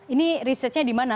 ini researchnya di mana